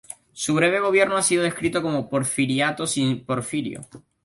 Su breve gobierno ha sido descrito como un porfiriato sin Porfirio.